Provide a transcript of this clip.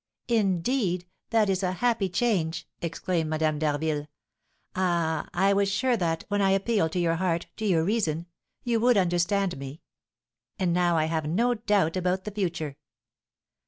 "Indeed! That is a happy change!" exclaimed Madame d'Harville. "Ah! I was sure that, when I appealed to your heart, to your reason, you would understand me; and now I have no doubt about the future."